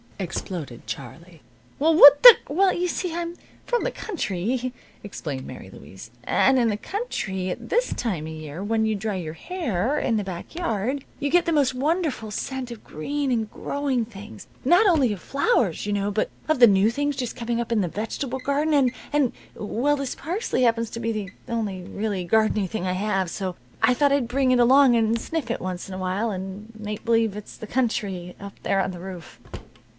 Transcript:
exploded Charlie. "Well, what the " "Well, you see. I'm from the country," explained Mary Louise, "and in the country, at this time of year, when you dry your hair in the back yard, you get the most wonderful scent of green and growing things not only of flowers, you know, but of the new things just coming up in the vegetable garden, and and well, this parsley happens to be the only really gardeny thing I have, so I thought I'd bring it along and sniff it once in a while, and make believe it's the country, up there on the roof."